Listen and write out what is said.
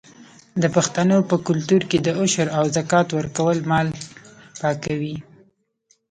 د پښتنو په کلتور کې د عشر او زکات ورکول مال پاکوي.